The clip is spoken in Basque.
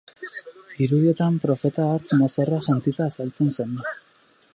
Irudietan profeta artz mozorroa jantzita azaltzen zen.